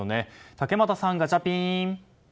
竹俣さん、ガチャピン！